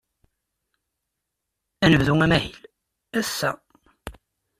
Ad nebdu amahil ass-a.